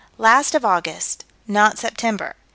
Last of August: not September.